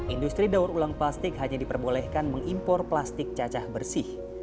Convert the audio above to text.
industri daur ulang plastik hanya diperbolehkan mengimpor plastik cacah bersih